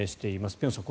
辺さん